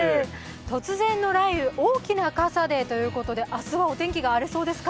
突然の雷雨大きな傘でということで、明日はお天気が荒れそうですか。